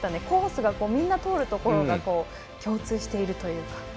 コースが、みんな通るところが共通しているというか。